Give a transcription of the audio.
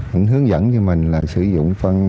họ hướng dẫn cho mình là sử dụng phần